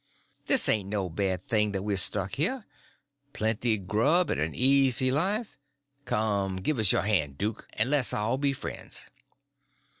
This ain't no bad thing that we've struck here—plenty grub and an easy life—come, give us your hand, duke, and le's all be friends."